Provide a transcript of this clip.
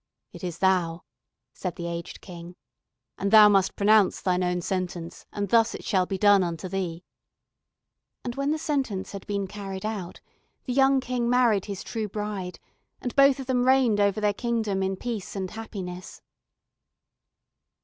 "It is thou," said the aged King, "and thou must pronounce thine own sentence, and thus shall it be done unto thee." And when the sentence had been carried out, the young King married his true bride, and both of them reigned over their kingdom in peace and happiness.